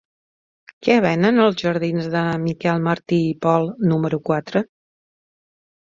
Què venen als jardins de Miquel Martí i Pol número quatre?